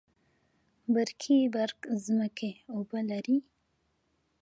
برکي برک ځمکې اوبه لري؟